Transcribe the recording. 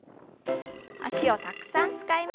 脚をたくさん使いました。